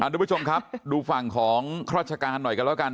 ทุกผู้ชมครับดูฝั่งของราชการหน่อยกันแล้วกัน